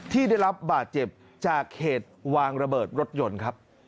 ที่ได้รับบาดเจ็บจากเหตุวางระเบิดรถยนต์ครับ